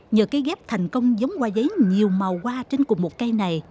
nhờ cây ghép thành công giống hoa giấy nhiều màu hoa trên cùng một cây này